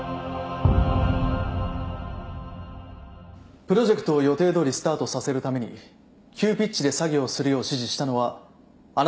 プロジェクトを予定どおりスタートさせるために急ピッチで作業をするよう指示したのはあなたですね。